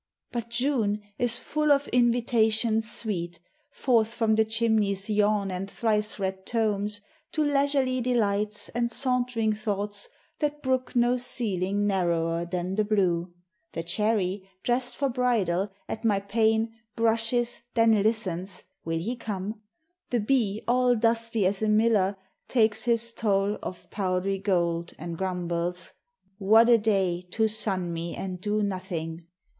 But June is full of invitations sweet, Forth from the chimney's yawn and thrice read tomes To leisurely delights and sauntering thoughts That brook no ceiling narrower than the blue. The cherry, drest for bridal, at my pane Brushes, then listens, Will he come? The bee, 12 UNDER THE WILLOWS. All dusty as a miller, takes his toll Of powdery gold, and grumbles. What a day To sun me and do nothing!